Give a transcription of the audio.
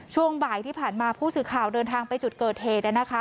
ช่วงบ่ายที่ผ่านมาผู้สื่อข่าวเดินทางไปจุดเกิดเหตุ